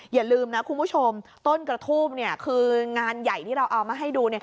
อย่าลืมนะคุณผู้ชมต้นกระทูบคืองานใหญ่ที่เราเอามาให้ดู